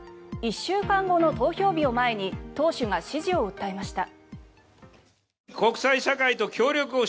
１週間後の投票日を前に党首が支持を訴えました。